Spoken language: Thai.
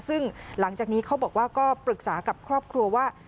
ซึ่งหลังจากนี้เขาบอกว่าก็ปรึกษากับครอบครัวว่า